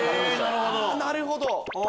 となるほど！